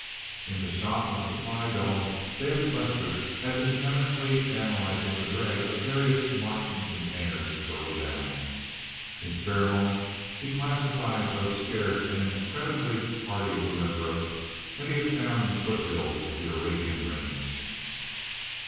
In the shop and supply dome, David Lester had been chemically analyzing the dregs of various Martian containers for Rodan. In spare moments he classified those scarce and incredibly hardy lunar growths that he found in the foothills of the Arabian Range.